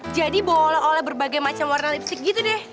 jadi bole oleh berbagai macam warna lipstick gitu deh